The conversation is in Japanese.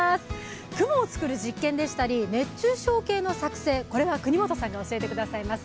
雲を作る実験でしたり熱中症計の作成、これは國本さんが教えてくださいます。